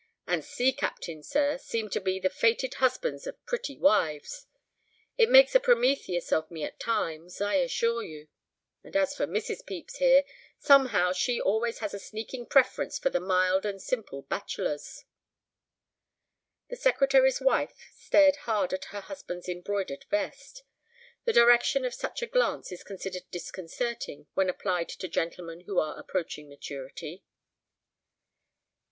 And sea captains, sir, seem to be the fated husbands of pretty wives. It makes a Prometheus of me at times, I assure you. And as for Mrs. Pepys there, somehow she always has a sneaking preference for the mild and simple bachelors!" The secretary's wife stared hard at her husband's embroidered vest. The direction of such a glance is considered disconcerting when applied to gentlemen who are approaching maturity.